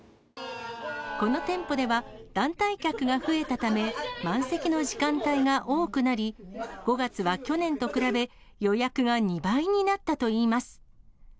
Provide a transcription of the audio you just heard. この店舗では、団体客が増えたため、満席の時間帯が多くなり、５月は去年と比べ、予約が２倍になったといいます。